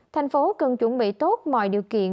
tp hcm cần chuẩn bị tốt mọi điều kiện